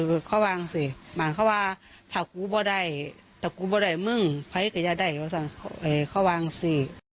เอ่อเขาว่างสิหมายความว่าถ้ากูบ่ได้ถ้ากูบ่ได้มึงไฟกับยาใดว่าสังคมเอ่อเขาว่างสิ